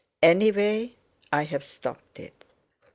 Anyway, I've stopped it.